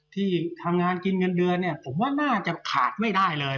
ที่ทำงานกินเงินเดือนเนี่ยผมว่าน่าจะขาดไม่ได้เลย